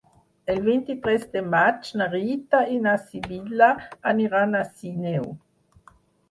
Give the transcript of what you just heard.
El vint-i-tres de maig na Rita i na Sibil·la aniran a Sineu.